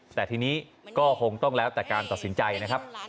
แต่ทีนี้ก็คงต้องแล้วแต่การตัดสินใจนะครับ